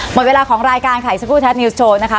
หมดเวลาของรายการไข่ชกู้แท็ดนิวส์โชว์นะคะ